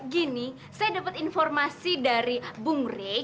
gini saya dapat informasi dari bung rey